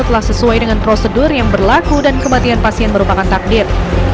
telah sesuai dengan prosedur yang berlaku dan kematian pasien merupakan takdir